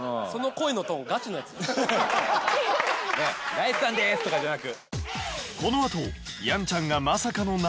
ライスさんです！とかじゃなく。